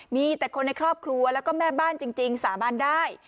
มีแต่คนในครอบครัวแล้วก็แม่บ้านจริงสาบานได้